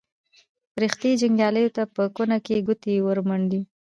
فرښتې جنګیالیو ته په کونه کې ګوتې ورمنډي.